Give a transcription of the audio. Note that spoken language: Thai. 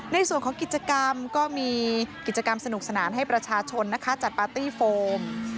ในส่วนของกิจกรรมก็มีกิจกรรมสนุกสนานให้ประชาชนนะคะจัดปาร์ตี้โฟม